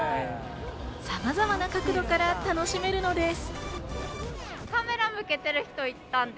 さまざまな角度から楽しめるのです。